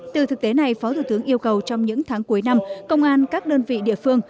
từ thực tế này phó thủ tướng yêu cầu trong những tháng cuối năm công an các đơn vị địa phương